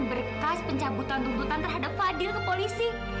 berkas pencabutan tuntutan terhadap fadil ke polisi